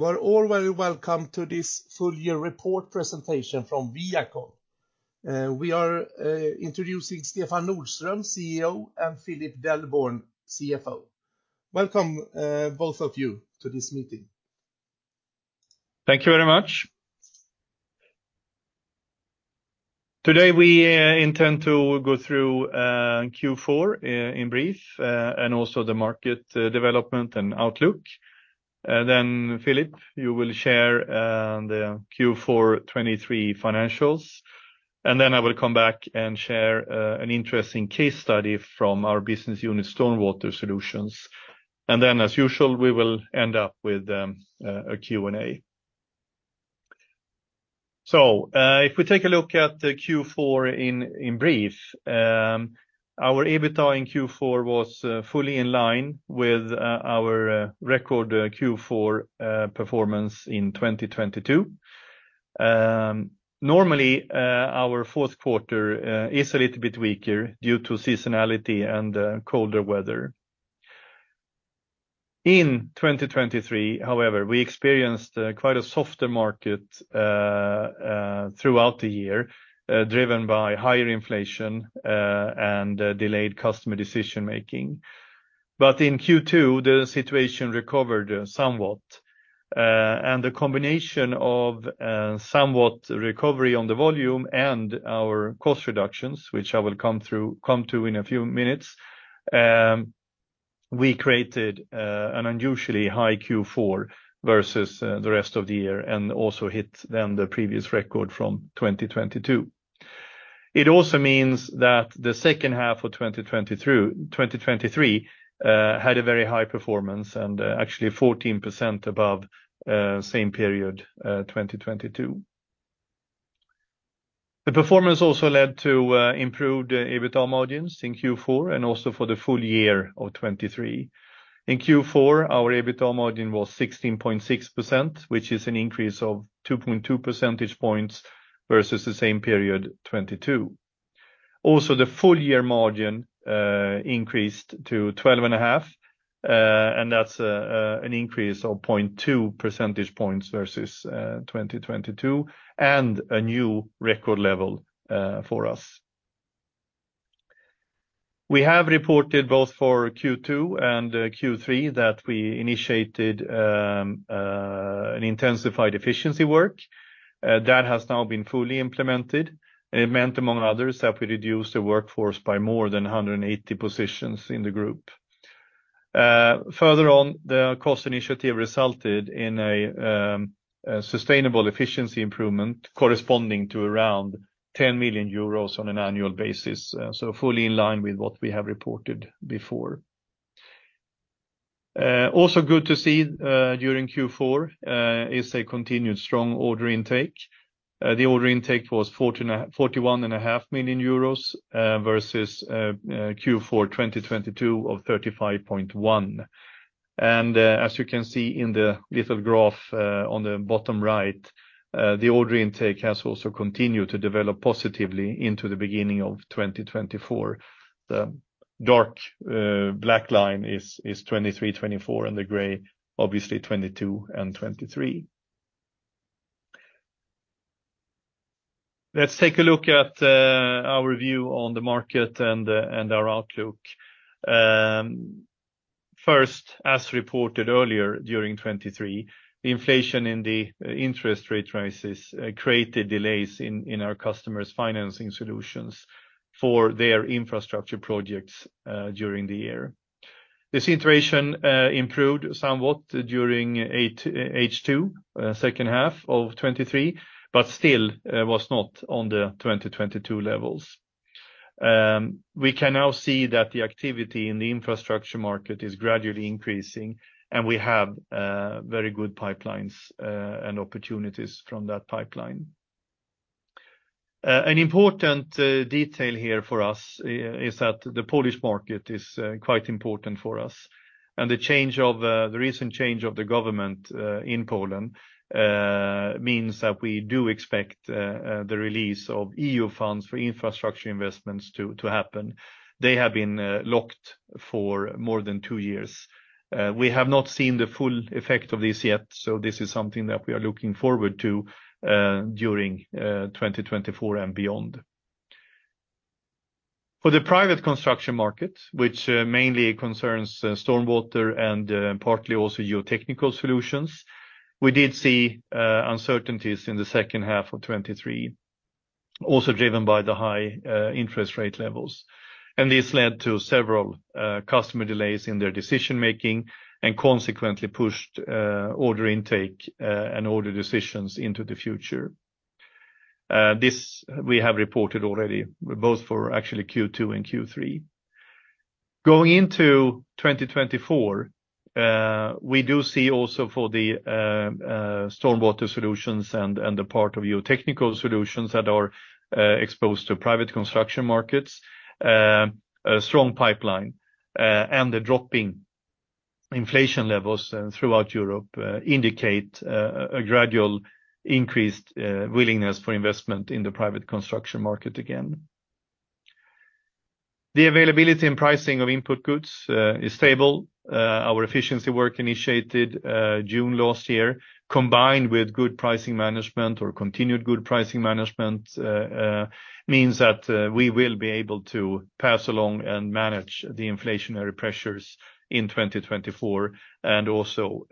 You are all very welcome to this full year report presentation from ViaCon. We are introducing Stefan Nordström, CEO, and Philip Delborn, CFO. Welcome, both of you, to this meeting. Thank you very much. Today, we intend to go through Q4 in brief and also the market development and outlook. Philip, you will share the Q4 2023 financials, and then I will come back and share an interesting case study from our business unit, StormWater Solutions. As usual, we will end up with a Q&A. If we take a look at the Q4 in brief, our EBITDA in Q4 was fully in line with our record Q4 performance in 2022. Normally, our fourth quarter is a little bit weaker due to seasonality and colder weather. In 2023, however, we experienced quite a softer market throughout the year, driven by higher inflation and delayed customer decision-making. In Q2, the situation recovered somewhat, and the combination of somewhat recovery on the volume and our cost reductions, which I will come to in a few minutes, we created an unusually high Q4 versus the rest of the year and also hit then the previous record from 2022. It also means that the second half of 2023 had a very high performance and actually 14% above same period 2022. The performance also led to improved EBITDA margins in Q4 and also for the full year of 2023. In Q4, our EBITDA margin was 16.6%, which is an increase of 2.2 percentage points versus the same period 2022. Also, the full-year margin increased to 12.5%, and that's an increase of 0.2 percentage points versus 2022 and a new record level for us. We have reported both for Q2 and Q3 that we initiated an intensified efficiency work that has now been fully implemented. It meant, among others, that we reduced the workforce by more than 180 positions in the group. Further on, the cost initiative resulted in a sustainable efficiency improvement corresponding to around 10 million euros on an annual basis. Fully in line with what we have reported before. Also good to see during Q4 is a continued strong order intake. The order intake was 41.5 million euros versus Q4 2022 of 35.1 million. As you can see in the little graph on the bottom right, the order intake has also continued to develop positively into the beginning of 2024. The dark black line is 2023, 2024, and the gray, obviously, 2022 and 2023. Let's take a look at our view on the market and our outlook. First, as reported earlier during 2023, the inflation and the interest rate rises created delays in our customers' financing solutions for their infrastructure projects during the year. The situation improved somewhat during H2 2023, but still was not on the 2022 levels. We can now see that the activity in the infrastructure market is gradually increasing. We have very good pipelines and opportunities from that pipeline. An important detail here for us is that the Polish market is quite important for us, and the recent change of the government in Poland means that we do expect the release of EU funds for infrastructure investments to happen. They have been locked for more than two years. We have not seen the full effect of this yet. This is something that we are looking forward to during 2024 and beyond. For the private construction market, which mainly concerns StormWater and partly also GeoTechnical Solutions, we did see uncertainties in H2 2023, also driven by the high interest rate levels. This led to several customer delays in their decision-making and consequently pushed order intake and order decisions into the future. This we have reported already, both for actually Q2 and Q3. Going into 2024, we do see also for the StormWater Solutions and the part of GeoTechnical Solutions that are exposed to private construction markets, a strong pipeline and the dropping inflation levels throughout Europe indicate a gradual increased willingness for investment in the private construction market again. The availability and pricing of input goods is stable. Our efficiency work initiated June last year, combined with good pricing management or continued good pricing management, means that we will be able to pass along and manage the inflationary pressures in 2024 and also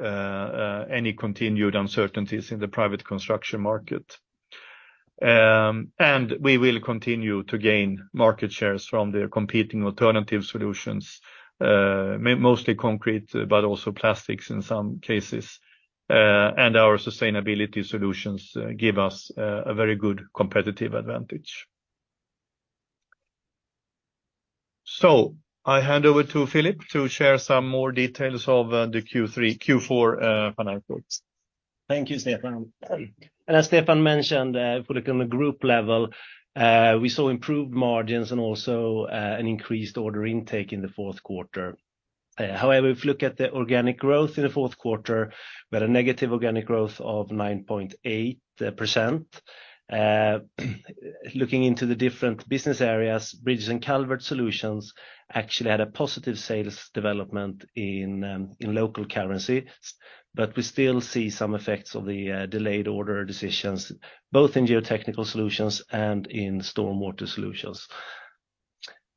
any continued uncertainties in the private construction market. We will continue to gain market shares from their competing alternative solutions, mostly concrete, but also plastics in some cases. Our sustainability solutions give us a very good competitive advantage. I hand over to Philip to share some more details of the Q4 financial reports. Thank you, Stefan. As Stefan mentioned, for the Group level, we saw improved margins and also an increased order intake in the fourth quarter. However, if you look at the organic growth in the fourth quarter, we had a negative organic growth of 9.8%. Looking into the different business areas, Bridges & Culverts Solutions actually had a positive sales development in local currencies, but we still see some effects of the delayed order decisions, both in GeoTechnical Solutions and in StormWater Solutions.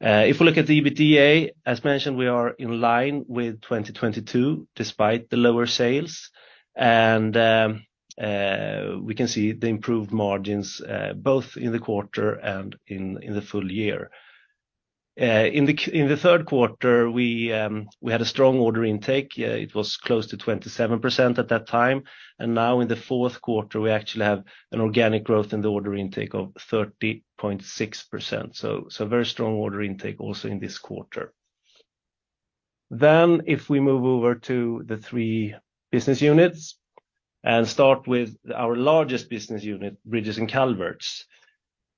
If we look at the EBITDA, as mentioned, we are in line with 2022 despite the lower sales. We can see the improved margins both in the quarter and in the full year. In the third quarter, we had a strong order intake. It was close to 27% at that time. In the fourth quarter, we actually have an organic growth in the order intake of 30.6%. Very strong order intake also in this quarter. If we move over to the three business units and start with our largest business unit, Bridges & Culverts.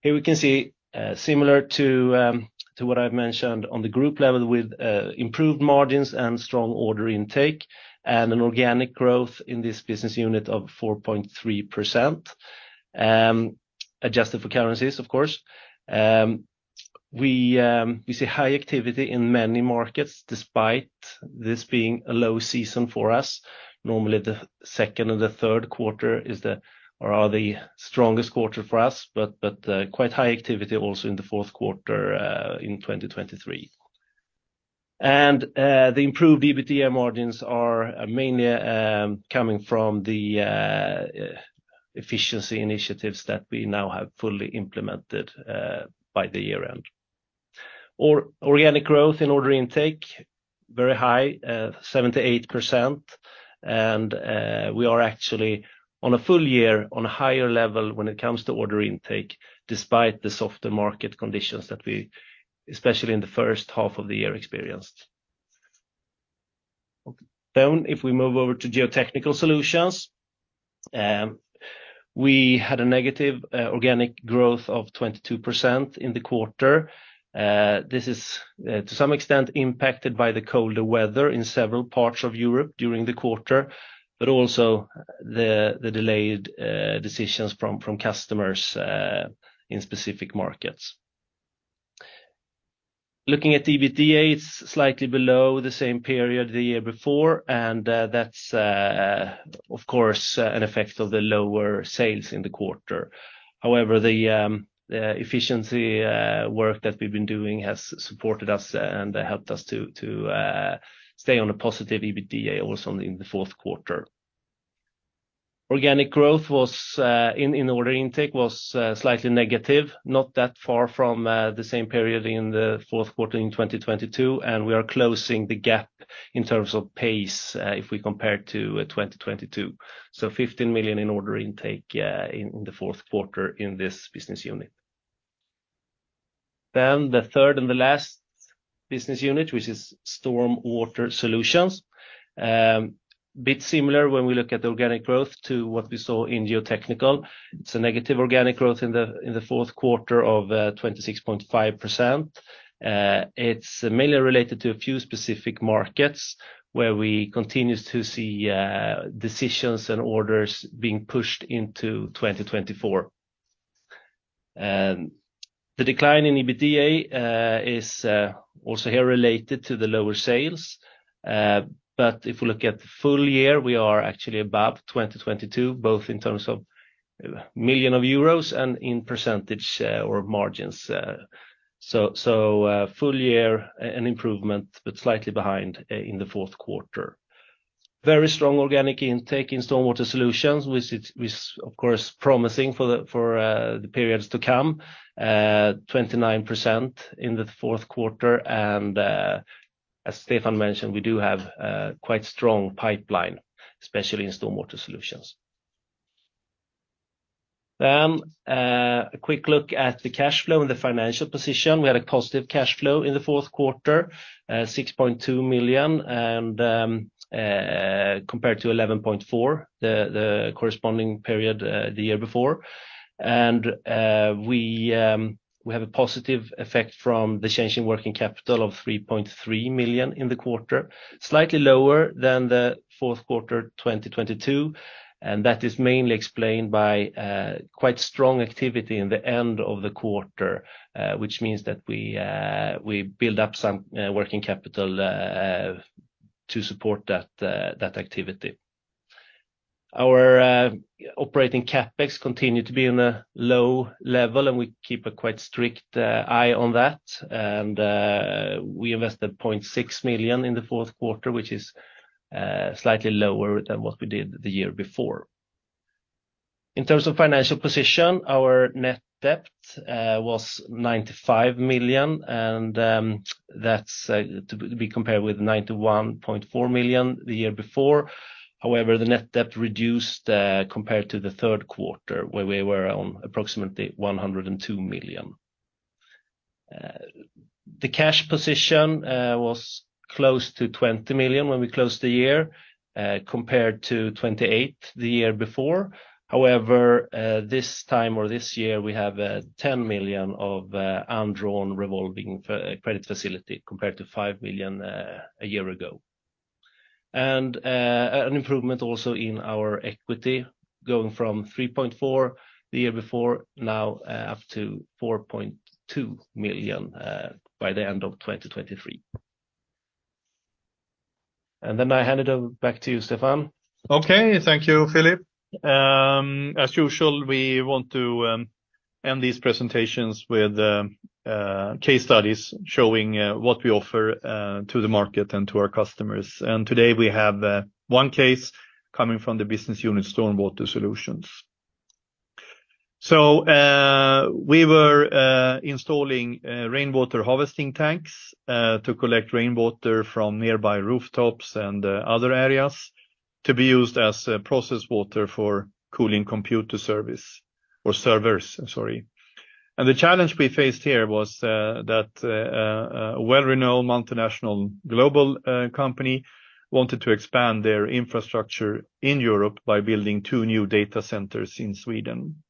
Here we can see similar to what I've mentioned on the Group level with improved margins and strong order intake and an organic growth in this business unit of 4.3%, adjusted for currencies, of course. We see high activity in many markets, despite this being a low season for us. Normally, the second and the third quarter are the strongest quarter for us, but quite high activity also in the fourth quarter in 2023. The improved EBITDA margins are mainly coming from the efficiency initiatives that we now have fully implemented by the year-end. Organic growth in order intake, very high, 78%. We are actually on a full year on a higher level when it comes to order intake, despite the softer market conditions that we, especially in the first half of the year, experienced. If we move over to GeoTechnical Solutions, we had a negative organic growth of 22% in the quarter. This is to some extent impacted by the colder weather in several parts of Europe during the quarter, but also the delayed decisions from customers in specific markets. Looking at the EBITDA, it's slightly below the same period the year before, and that's, of course, an effect of the lower sales in the quarter. However, the efficiency work that we've been doing has supported us and helped us to stay on a positive EBITDA also in the fourth quarter. Organic growth in order intake was slightly negative, not that far from the same period in the fourth quarter in 2022, and we are closing the gap in terms of pace if we compare to 2022. 15 million in order intake in the fourth quarter in this business unit. The third and the last business unit, which is StormWater Solutions. A bit similar when we look at the organic growth to what we saw in GeoTechnical. It's a negative organic growth in the fourth quarter of 26.5%. It's mainly related to a few specific markets where we continue to see decisions and orders being pushed into 2024. The decline in EBITDA is also here related to the lower sales. If we look at the full year, we are actually above 2022, both in terms of million of EUR and in percentage or margins. Full year, an improvement, but slightly behind in the fourth quarter. Very strong organic intake in StormWater Solutions, which is, of course, promising for the periods to come, 29% in the fourth quarter. As Stefan mentioned, we do have quite strong pipeline, especially in StormWater Solutions. A quick look at the cash flow and the financial position. We had a positive cash flow in the fourth quarter, 6.2 million, and compared to 11.4 million the corresponding period the year before. We have a positive effect from the change in working capital of 3.3 million in the quarter, slightly lower than the fourth quarter 2022. That is mainly explained by quite strong activity in the end of the quarter, which means that we build up some working capital to support that activity. Our operating CapEx continued to be on a low level, and we keep a quite strict eye on that. We invested 0.6 million in the fourth quarter, which is slightly lower than what we did the year before. In terms of financial position, our net debt was 95 million, and that's to be compared with 91.4 million the year before. However, the net debt reduced compared to the third quarter where we were on approximately 102 million. The cash position was close to 20 million when we closed the year, compared to 28 the year before. However, this time or this year, we have 10 million of undrawn revolving credit facility compared to 5 million a year ago. An improvement also in our equity going from 3.4 the year before, now up to 4.2 million by the end of 2023. I hand it over back to you, Stefan. Okay. Thank you, Philip. As usual, we want to end these presentations with case studies showing what we offer to the market and to our customers. Today we have one case coming from the business unit, StormWater Solutions. We were installing rainwater harvesting tanks to collect rainwater from nearby rooftops and other areas to be used as process water for cooling computer service, or servers, sorry. The challenge we faced here was that a well-renowned multinational global company wanted to expand their infrastructure in Europe by building two new data centers in Sweden.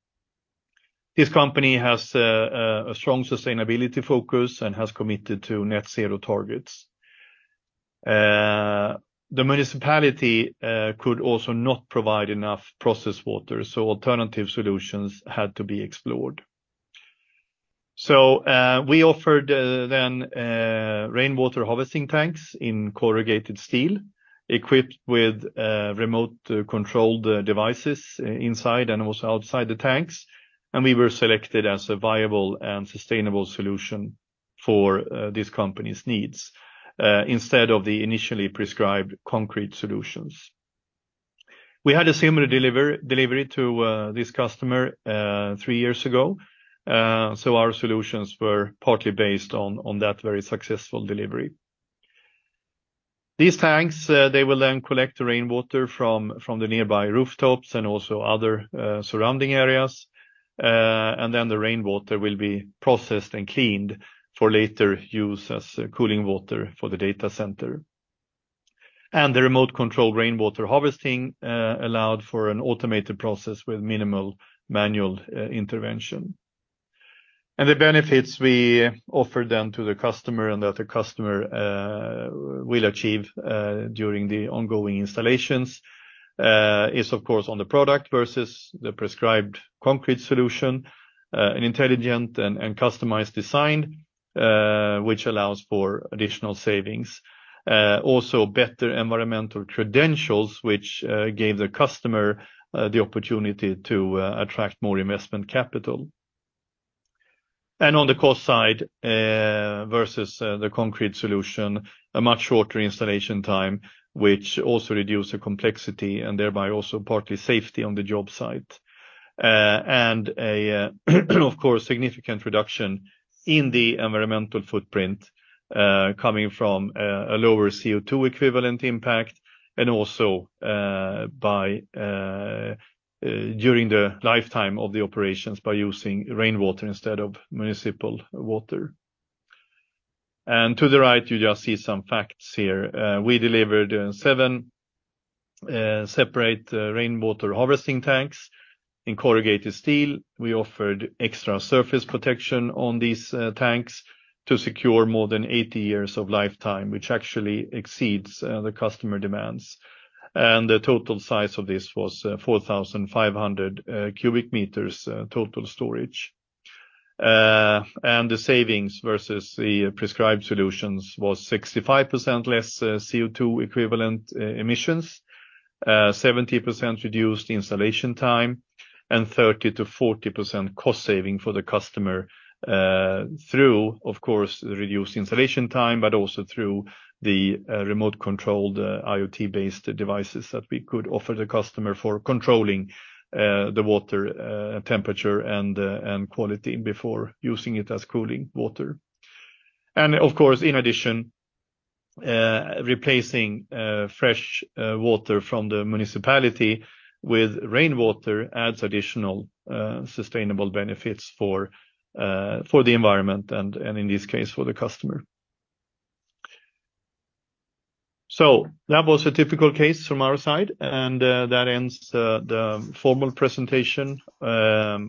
This company has a strong sustainability focus and has committed to net zero targets. Alternative solutions had to be explored. We offered then rainwater harvesting tanks in corrugated steel, equipped with remote controlled devices inside and also outside the tanks, and we were selected as a viable and sustainable solution for this company's needs instead of the initially prescribed concrete solutions. We had a similar delivery to this customer three years ago, so our solutions were partly based on that very successful delivery. These tanks, they will then collect the rainwater from the nearby rooftops and also other surrounding areas. The rainwater will be processed and cleaned for later use as cooling water for the data center. The remote control rainwater harvesting allowed for an automated process with minimal manual intervention. The benefits we offer then to the customer and that the customer will achieve during the ongoing installations is, of course, on the product versus the prescribed concrete solution, an intelligent and customized design which allows for additional savings. Also better environmental credentials, which gave the customer the opportunity to attract more investment capital. On the cost side versus the concrete solution, a much shorter installation time, which also reduced the complexity and thereby also partly safety on the job site. Of course, significant reduction in the environmental footprint, coming from a lower CO2 equivalent impact, and also during the lifetime of the operations by using rainwater instead of municipal water. To the right, you just see some facts here. We delivered seven separate rainwater harvesting tanks in corrugated steel. We offered extra surface protection on these tanks to secure more than 80 years of lifetime, which actually exceeds the customer demands. The total size of this was 4,500 cubic meters total storage. The savings versus the prescribed solutions was 65% less CO2 equivalent emissions, 70% reduced installation time, and 30%-40% cost saving for the customer through, of course, the reduced installation time, but also through the remote controlled IoT-based devices that we could offer the customer for controlling the water temperature and quality before using it as cooling water. Of course, in addition, replacing fresh water from the municipality with rainwater adds additional sustainable benefits for the environment and, in this case, for the customer. That was a typical case from our side, and that ends the formal presentation of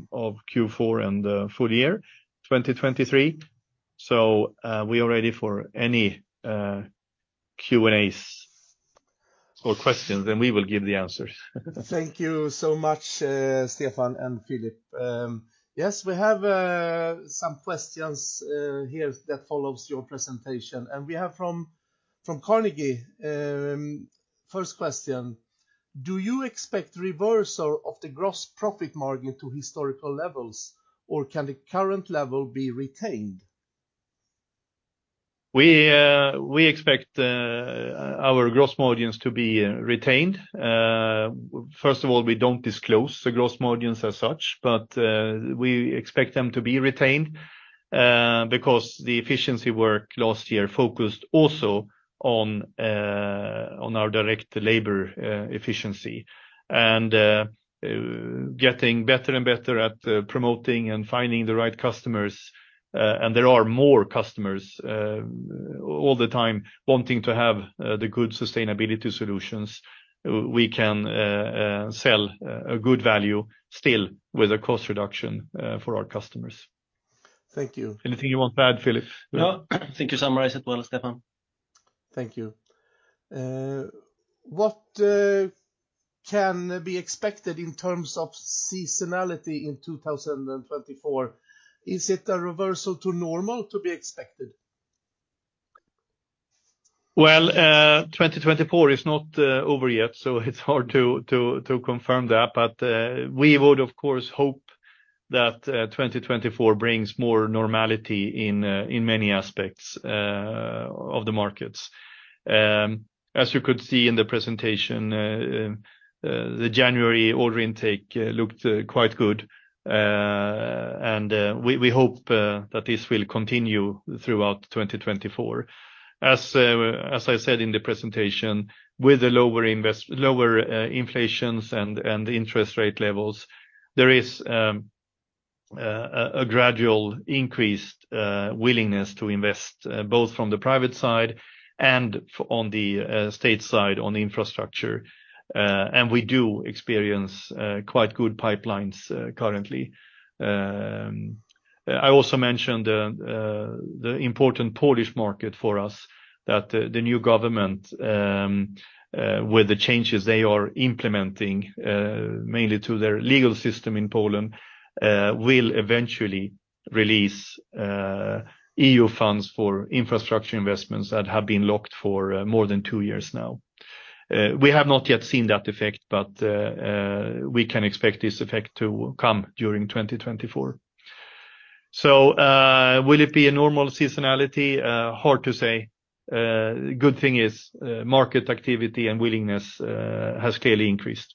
Q4 and full year 2023. We are ready for any Q&As or questions, and we will give the answers. Thank you so much, Stefan and Philip. Yes, we have some questions here that follows your presentation. We have from Carnegie, first question, "Do you expect reversal of the gross profit margin to historical levels, or can the current level be retained? We expect our gross margins to be retained. First of all, we don't disclose the gross margins as such, we expect them to be retained because the efficiency work last year focused also on our direct labor efficiency and getting better and better at promoting and finding the right customers. There are more customers all the time wanting to have the good sustainability solutions. We can sell a good value still with a cost reduction for our customers. Thank you. Anything you want to add, Philip? No. I think you summarized it well, Stefan. Thank you. What can be expected in terms of seasonality in 2024? Is it a reversal to normal to be expected? Well, 2024 is not over yet, it's hard to confirm that. We would, of course, hope that 2024 brings more normality in many aspects of the markets. As you could see in the presentation, the January order intake looked quite good, and we hope that this will continue throughout 2024. As I said in the presentation, with the lower inflations and interest rate levels, there is a gradual increased willingness to invest, both from the private side and on the state side, on the infrastructure. We do experience quite good pipelines currently. I also mentioned the important Polish market for us, that the new government, with the changes they are implementing, mainly to their legal system in Poland, will eventually release EU funds for infrastructure investments that have been locked for more than two years now. We have not yet seen that effect, but we can expect this effect to come during 2024. Will it be a normal seasonality? Hard to say. Good thing is market activity and willingness has clearly increased.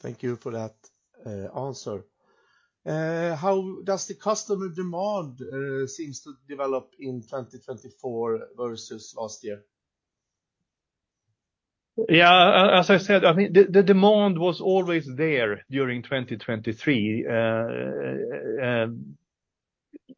Thank you for that answer. How does the customer demand seems to develop in 2024 versus last year? Yeah, as I said, I think the demand was always there during 2023.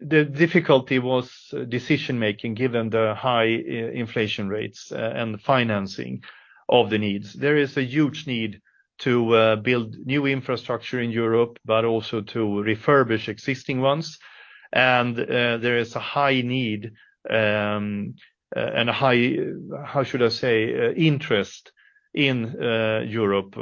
The difficulty was decision-making, given the high inflation rates and financing of the needs. There is a huge need to build new infrastructure in Europe, but also to refurbish existing ones. There is a high need and a high, how should I say, interest in Europe,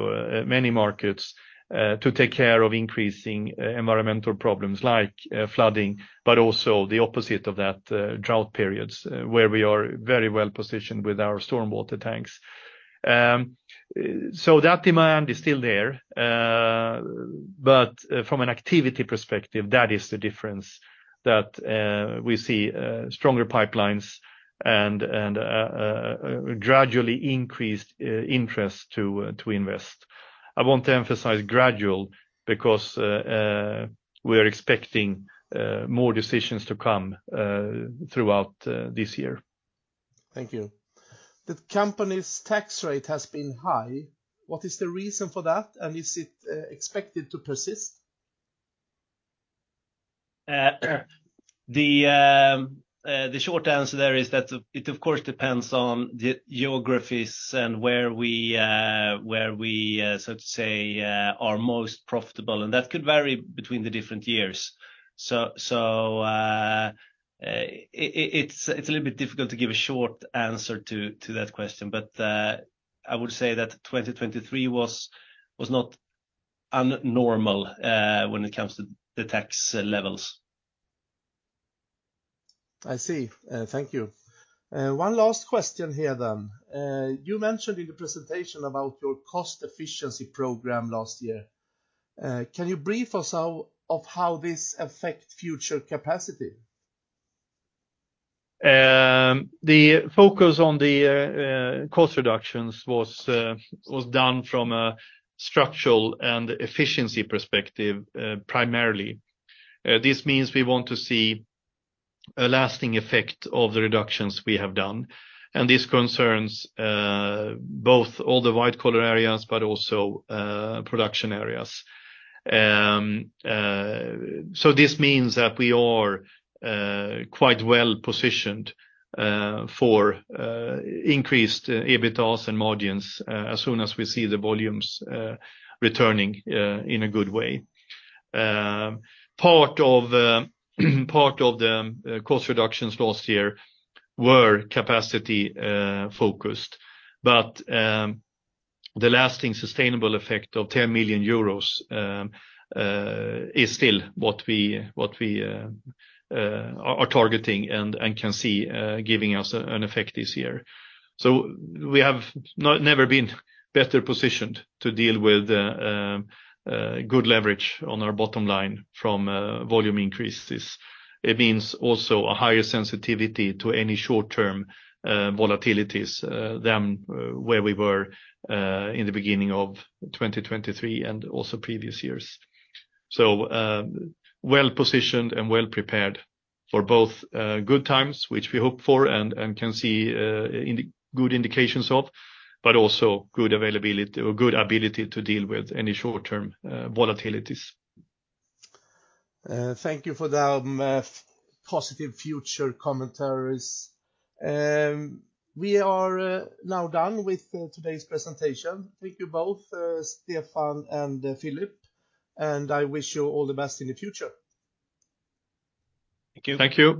many markets, to take care of increasing environmental problems like flooding, but also the opposite of that, drought periods, where we are very well-positioned with our StormWater tanks. That demand is still there. From an activity perspective, that is the difference, that we see stronger pipelines and a gradually increased interest to invest. I want to emphasize gradual because we are expecting more decisions to come throughout this year. Thank you. The company's tax rate has been high. What is the reason for that, and is it expected to persist? The short answer there is that it, of course, depends on the geographies and where we, so to say, are most profitable, and that could vary between the different years. It's a little bit difficult to give a short answer to that question. I would say that 2023 was not un-normal when it comes to the tax levels. I see. Thank you. One last question here. You mentioned in the presentation about your cost efficiency program last year. Can you brief us of how this affect future capacity? The focus on the cost reductions was done from a structural and efficiency perspective, primarily. This means we want to see a lasting effect of the reductions we have done, and this concerns both all the white-collar areas but also production areas. This means that we are quite well-positioned for increased EBIT and margins as soon as we see the volumes returning in a good way. Part of the cost reductions last year were capacity-focused, but the lasting sustainable effect of 10 million euros is still what we are targeting and can see giving us an effect this year. We have never been better positioned to deal with good leverage on our bottom line from volume increases. It means also a higher sensitivity to any short-term volatilities than where we were in the beginning of 2023 and also previous years. Well-positioned and well-prepared for both good times, which we hope for and can see good indications of, but also good availability or good ability to deal with any short-term volatilities. Thank you for the positive future commentaries. We are now done with today's presentation. Thank you both, Stefan and Filip, and I wish you all the best in the future. Thank you. Thank you.